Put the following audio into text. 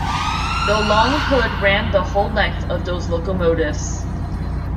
The long hood ran the whole length of those locomotives.